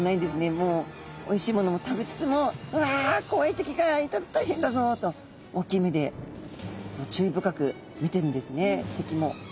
もうおいしいものも食べつつも「うわ怖い敵がいたら大変だぞ！」と大きい目で注意深く見てるんですね敵も。